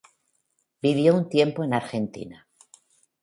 Vivió un tiempo en Argentina.